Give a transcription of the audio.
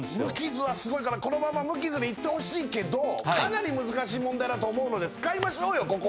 無傷はすごいからこのまま無傷でいってほしいけどかなり難しい問題だと思うので使いましょうよ